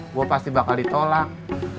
gue pasti bakal ditolak